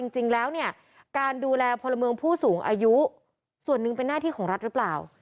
จริงแล้วเนี่ยการดูแลพลเมืองผู้สูงอายุส่วนหนึ่งเป็นหน้าที่ของรัฐหรือเปล่า